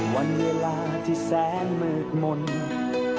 วันเวลาที่แสนมืดมนต์